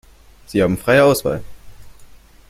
Sie haben freie Auswahl.